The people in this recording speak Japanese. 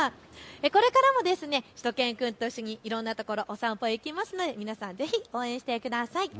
これからもしゅと犬くんと一緒にいろんなところ、お散歩に行くので皆さん、ぜひ応援してください。